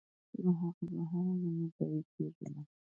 نو هغه به هم وويني، ضائع کيږي نه!!.